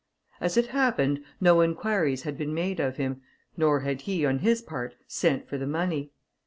As it happened, no inquiries had been made of him, nor had he, on his part, sent for the money.